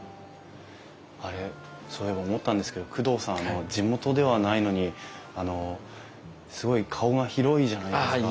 あれそういえば思ったんですけど工藤さんは地元ではないのにあのすごい顔が広いじゃないですか。